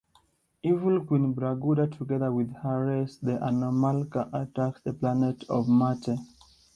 Evil Queen Braguda together with her race the Anomalka attacks the planet of Marte.